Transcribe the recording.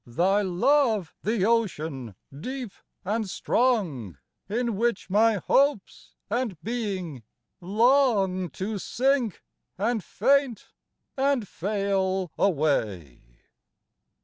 Thy love the ocean, deep and strong, In which my hopes and being longTo sink and faint and fail away?